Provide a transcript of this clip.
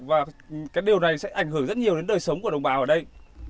và cái điều này sẽ ảnh hưởng rất nhiều đến đời sống của đồng bào ở đây